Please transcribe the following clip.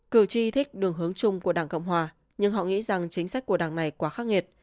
cử tri thích đường hướng chung của đảng cộng hòa nhưng họ nghĩ rằng chính sách của đảng này quá khắc nghiệt